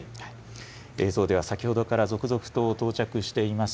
映像では先ほどから続々と到着しています